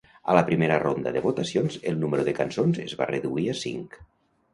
A la primera ronda de votacions, el número de cançons es va reduir a cinc.